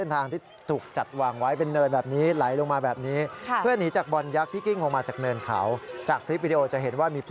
ถูกทับแบบนี้เดี๋ยวคนนี้คนนี้